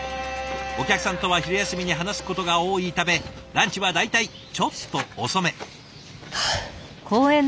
お客さんとは昼休みに話すことが多いためランチは大体ちょっと遅め。